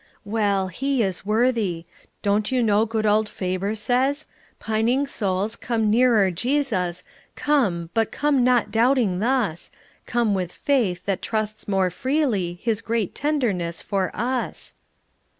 "Well, He is worthy. Don't you know good old Faber says: "'Pining souls, come nearer Jesus; Come, but come not doubting thus: Come with faith that trusts more freely His great tenderness for us.'"